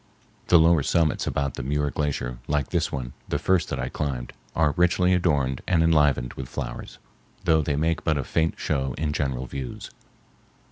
The lower summits about the Muir Glacier, like this one, the first that I climbed, are richly adorned and enlivened with flowers, though they make but a faint show in general views.